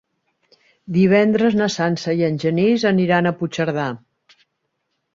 Divendres na Sança i en Genís aniran a Puigcerdà.